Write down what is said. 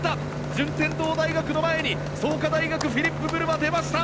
順天堂大学の前に創価大学、フィリップ・ムルワ出ました。